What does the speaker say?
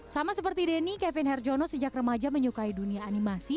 sama seperti denny kevin herjono sejak remaja menyukai dunia animasi